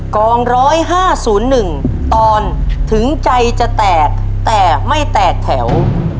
กองร้อยห้าศูนย์หนึ่งตอนถึงใจจะแตกแต่ไม่แตกแถว